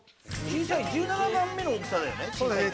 １７番目の大きさだよね。